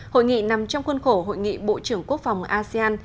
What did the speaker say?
hội nghị nằm trong khuôn khổ hội nghị bộ trưởng quốc phòng asean